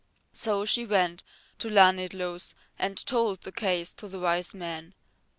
So she went to Llanidloes and told the case to the Wise Man.